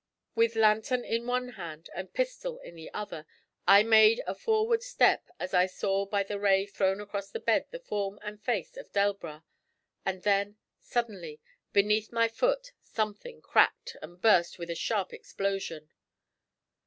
With lantern in one hand and pistol in the other, I made a forward step as I saw by the ray thrown across the bed the form and face of Delbras; and then, suddenly, beneath my foot, something cracked and burst with a sharp explosion.